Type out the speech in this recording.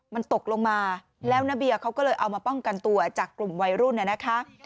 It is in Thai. มันตกลงมาแล้วน้าเบียเขาก็เลยเอามาป้องกันตัวจากกลุ่มวัยรุ่นน่ะนะคะ